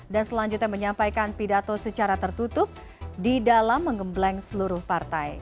dan selanjutnya menyampaikan pidato secara tertutup di dalam mengembleng seluruh partai